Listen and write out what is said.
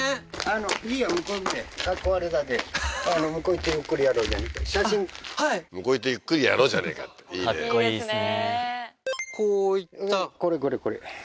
「向こう行ってゆっくりやろうじゃねえか」っていいねかっこいいですね